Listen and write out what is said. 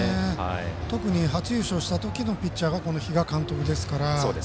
特に、初優勝した時のピッチャーがこの比嘉監督ですから。